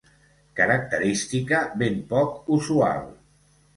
Característica ben poc usual.